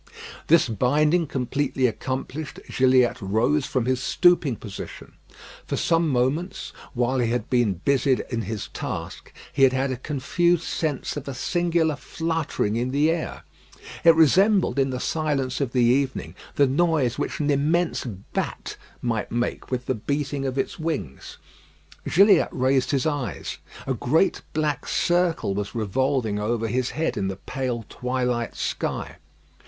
This binding completely accomplished, Gilliatt rose from his stooping position. For some moments, while he had been busied in his task, he had had a confused sense of a singular fluttering in the air. It resembled, in the silence of the evening, the noise which an immense bat might make with the beating of its wings. Gilliatt raised his eyes. A great black circle was revolving over his head in the pale twilight sky.